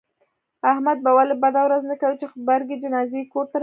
احمد به ولې بده ورځ نه کوي، چې غبرگې جنازې یې کورته راغلې.